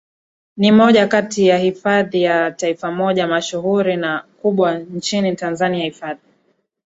ni moja kati ya hifadhi za Taifamoja mashuhuri na kubwa nchini Tanzania Hifadhi